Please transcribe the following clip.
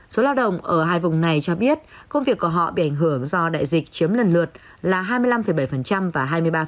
số lao động ở hai vùng này cho biết công việc của họ bị ảnh hưởng do đại dịch chiếm lần lượt là hai mươi năm bảy và hai mươi ba